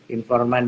informan di lapangan